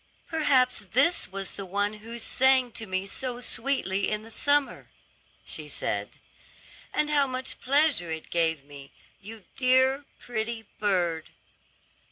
"Perhaps this was the one who sang to me so sweetly in the summer," she said; "and how much pleasure it gave me, you dear, pretty bird."